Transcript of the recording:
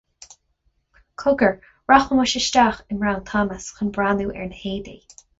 Cogair, rachaimis isteach i mBrown Thomas chun breathnú ar na héadaí